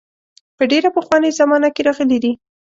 په ډېره پخوانۍ زمانه کې راغلي دي.